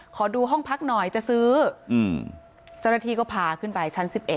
ขอดูห้องพักหน่อยจะซื้อเจ้าหน้าที่ก็พาขึ้นไปชั้น๑๑